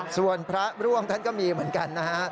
ส่วนพระร่วงท่านก็มีเหมือนกันนะฮะ